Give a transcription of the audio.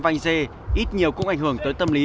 van zee ít nhiều cũng ảnh hưởng tới tâm lý